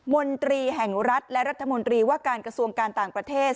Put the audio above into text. มนตรีแห่งรัฐและรัฐมนตรีว่าการกระทรวงการต่างประเทศ